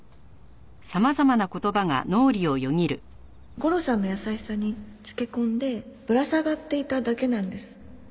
ゴロさんの優しさにつけ込んでぶら下がっていただけなんです。